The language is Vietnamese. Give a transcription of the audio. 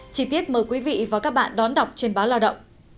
chí tiết mời quý vị và các bạn đón đọc trên báo lao động